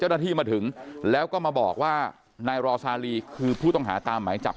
เจ้าหน้าที่มาถึงแล้วก็มาบอกว่านายรอซาลีคือผู้ต้องหาตามหมายจับ